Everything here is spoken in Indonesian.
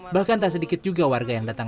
bahkan tak sedikit juga warga yang datang